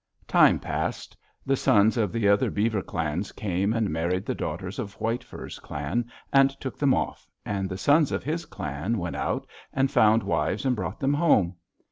"Time passed. The sons of other beaver clans came and married the daughters of White Fur's clan, and took them off, and the sons of his clan went out and found wives and brought them home.